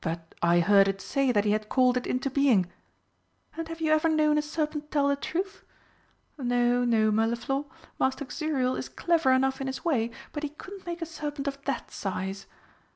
"But I heard it say that he had called it into being!" "And have you ever known a serpent tell the truth? No, no, Mirliflor, Master Xuriel is clever enough in his way, but he couldn't make a serpent of that size.